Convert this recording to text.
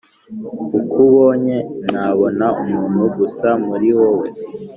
ukubonye ntabonaumuntu gusa muri wowe